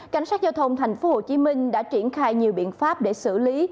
cảnh sát giao thông tp hcm đã triển khai nhiều biện pháp để xử lý